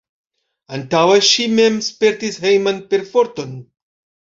Antaŭe ŝi mem spertis hejman perforton.